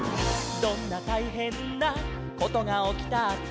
「どんなたいへんなことがおきたって」